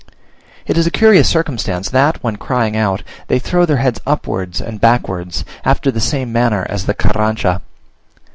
It is a curious circumstance that, when crying out, they throw their heads upwards and backwards, after the same manner as the Carrancha.